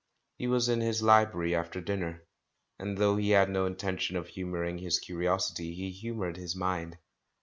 He was in his library after dinner; and though he had no intention of humouring his curiosity, he humoured his mind.